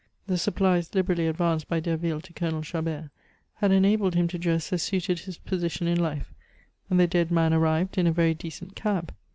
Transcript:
The supplies liberally advanced by Derville to Colonel Chabert had enabled him to dress as suited his position in life, and the dead man arrived in a very decent cab.